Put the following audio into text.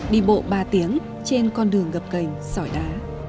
đi bộ ba tiếng trên con đường gập cành sỏi đá